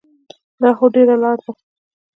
دا خو ډېره لاره ده.